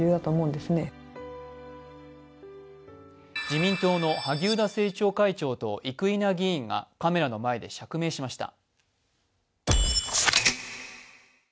自民党の萩生田政調会長と生稲議員がカメラの前で釈明しました。